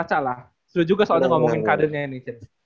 caca lah seru juga soalnya ngomongin karirnya ini cyan